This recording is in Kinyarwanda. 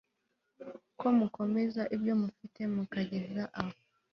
ko mukomeza ibyo mufite mukageza aho